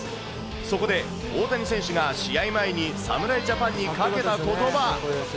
そこで、大谷選手が試合前に侍ジャパンにかけたことば。